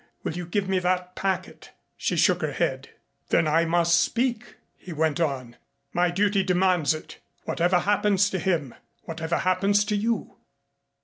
Will you give me that packet?" She shook her head. "Then I must speak," he went on. "My duty demands it, whatever happens to him whatever happens to you.